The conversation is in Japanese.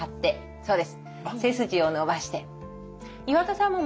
そうです。